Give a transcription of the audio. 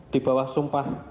di bawah sumpah